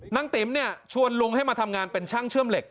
ติ๋มเนี่ยชวนลุงให้มาทำงานเป็นช่างเชื่อมเหล็ก